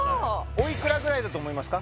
おいくらぐらいだと思いますか？